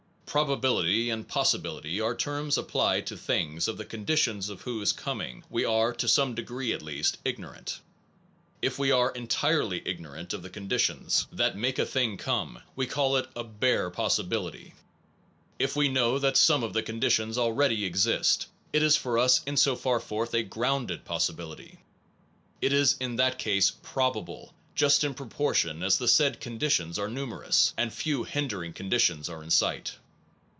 Probability and possibility are terms ap plied to things of the conditions of whose coming we are (to some degree at least) ignorant. If we are entirely ignorant of the conditions that 225 APPENDIX make a thing come, we call it a bare possibility. If we know that some of the conditions already exist, it is for us in so far forth a grounded* pos sibility. It is in that case probable just in propor tion as the said conditions are numerous, and few hindering conditions are in sight.